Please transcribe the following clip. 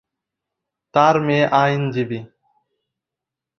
তার মেয়ে আইনজীবী ও জমিদার অপূর্ব কৃষ্ণ মিত্রের সাথে বিবাহ করেছিলেন।